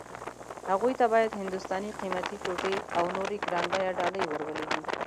هغوی ته باید هندوستاني قيمتي ټوټې او نورې ګران بيه ډالۍ ور ولېږي.